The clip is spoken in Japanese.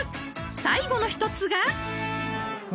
［最後の１つが］